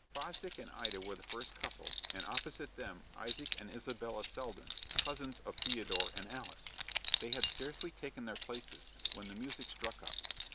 Fosdick and Ida were the first couple, and opposite them Isaac and Isabella Selden, cousins of Theodore and Alice. They had scarcely taken their places when the music struck up.